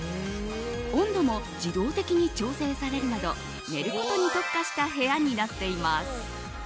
温度も自動的に調整されるなど寝ることに特化した部屋になっています。